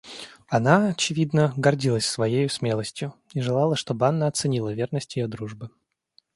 Она, очевидно, гордилась своею смелостью и желала, чтоб Анна оценила верность ее дружбы.